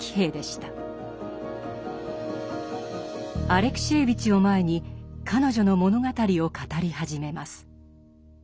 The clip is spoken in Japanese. アレクシエーヴィチを前に彼女の物語を語り始めます。